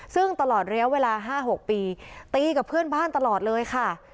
ซึ่งตลอดระยะเวลา๕๖ปีตีกับเพื่อนบ้านตลอดเลยค่ะ